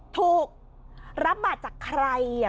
ถูกรับบาทจากใครอ่ะ